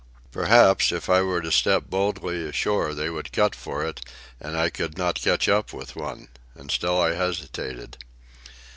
"Perhaps, if I were to step boldly ashore, they would cut for it, and I could not catch up with one." And still I hesitated.